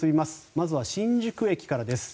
まずは新宿駅からです。